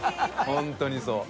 本当にそう。